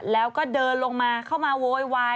แล้วก็เดินลงมาเข้ามาโวยวาย